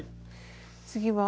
次は？